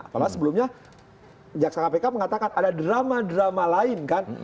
padahal sebelumnya jaksa kpk mengatakan ada drama drama lain kan